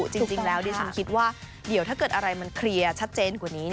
จริงแล้วดิฉันคิดว่าเดี๋ยวถ้าเกิดอะไรมันเคลียร์ชัดเจนกว่านี้